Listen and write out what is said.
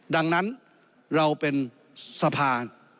ดังนั้นเราเป็นสภา